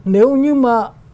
nếu như mà